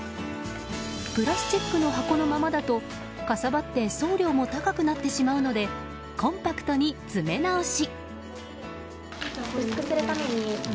プラスチックの箱のままだとかさばって送料も高くなってしまうのでコンパクトに詰め直し。